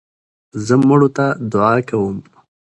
زه مړو ته دؤعا کوم.